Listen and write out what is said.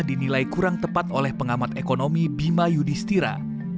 dinilai kurang tepat oleh pengamat ekonomi bima yudhistira